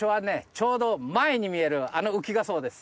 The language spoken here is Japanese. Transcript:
ちょうど前に見えるあの浮きがそうです。